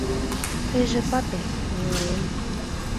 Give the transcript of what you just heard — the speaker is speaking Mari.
Тыйже папе, милаем